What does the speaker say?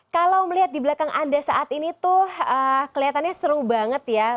kalau melihat di belakang anda saat ini tuh kelihatannya seru banget ya